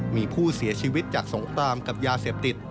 มีผู้เสียชีวิตจากสงครามกับยาเสพติด